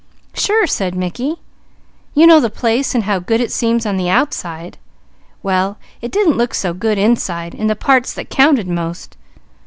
"Sure!" said Mickey. "You know the place and how good it seems on the outside well it didn't look so good inside, in the part that counted most.